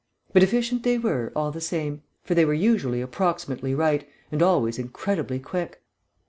But efficient they were, all the same, for they were usually approximately right, and always incredibly quick.